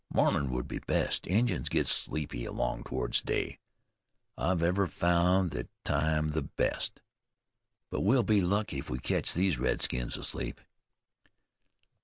"Mornin' would be best. Injuns get sleepy along towards day. I've ever found thet time the best. But we'll be lucky if we ketch these redskins asleep."